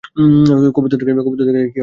কবুতর দেখলে কী হয় লেখা আছে।